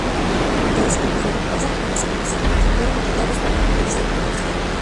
Pintores, como Ferrer Bassa o los hermanos Serra, fueron contratados para embellecer el monasterio.